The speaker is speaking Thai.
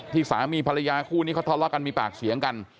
สามีภรรยาคู่นี้เขาทะเลาะกันมีปากเสียงกัน